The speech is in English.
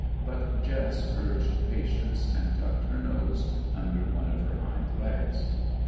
But Jess urged patience, and tucked her nose under one of her hind legs.